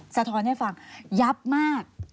สะท้อนให้ฟังยับมาก